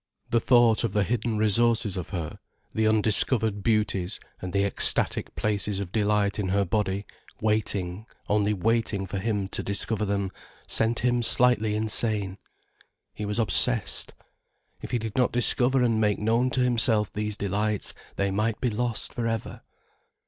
The thought of the hidden resources of her, the undiscovered beauties and ecstatic places of delight in her body, waiting, only waiting for him to discover them, sent him slightly insane. He was obsessed. If he did not discover and make known to himself these delights, they might be lost for ever.